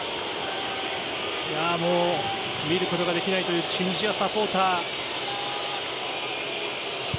もう見ることができないというチュニジアサポーター。